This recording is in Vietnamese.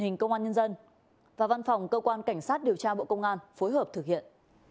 hình công an nhân dân và văn phòng cơ quan cảnh sát điều tra bộ công an phối hợp thực hiện